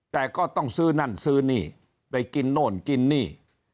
แต่ก็ต้องซื้อนั่นซื้อนี่ไปกินโน่นกินนี่